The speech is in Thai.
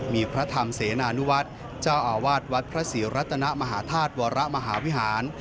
มีพระธรรมเสนานุวัฒน์เจ้าอาวาสวัดพระศรีรัตนมหาธาตุวรมหาวิหาร